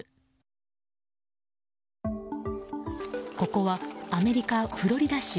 ここは、アメリカ・フロリダ州。